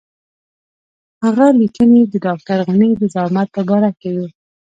هغه لیکنې د ډاکټر غني د زعامت په باره کې وې.